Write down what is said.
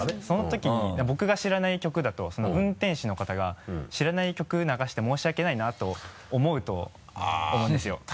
その時に僕が知らない曲だと運転手の方が知らない曲流して申し訳ないなと思うと思うんですよ。